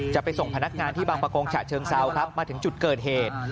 จะไปส่งพนักงานที่บางประกงฉะเชิงเซาครับมาถึงจุดเกิดเหตุ